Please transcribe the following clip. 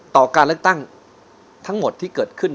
การเลือกตั้งทั้งหมดที่เกิดขึ้น